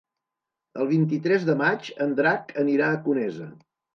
El vint-i-tres de maig en Drac anirà a Conesa.